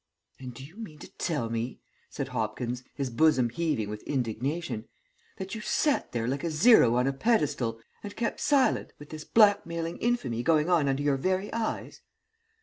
"And do you mean to tell me," said Hopkins, his bosom heaving with indignation, "that you sat there like a zero on a pedestal, and kept silent with this blackmailing infamy going on under your very eyes?"